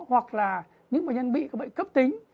hoặc là những bệnh nhân bị bệnh cấp tính